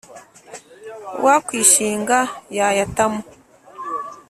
Uwakwishinga yayatamo